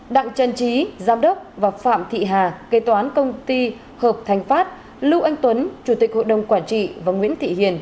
đặng trần trí giám đốc và phạm thị hà kế toán công ty hợp thành pháp lưu anh tuấn chủ tịch hội đồng quản trị và nguyễn thị hiền